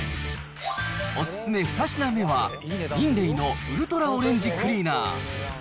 お勧め２品目は、リンレイのウルトラオレンジクリーナー。